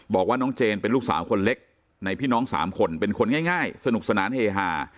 บอกว่าน้องเจนเป็นลูกสาวคนเล็กในพี่น้อง๓คนเป็นคนง่ายสนุกสนานเฮฮา